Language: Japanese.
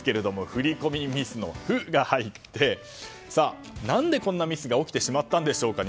振り込みミスの「フ」が入って何で、こんなミスが起きてしまったんでしょうか。